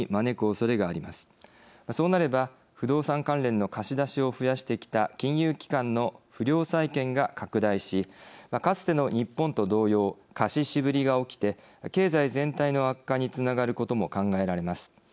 そうなれば不動産関連の貸し出しを増やしてきた金融機関の不良債権が拡大しかつての日本と同様貸し渋りが起きて経済全体の悪化につながることも考えられます。